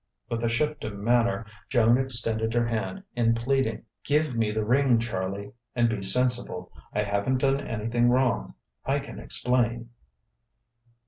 With a shift of manner, Joan extended her hand in pleading. "Give me the ring, Charlie, and be sensible. I haven't done anything wrong. I can explain."